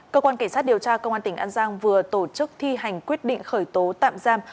cơ quan cảnh sát điều tra công an tỉnh an giang vừa tổ chức thi hành quyết định khởi tố tạm giam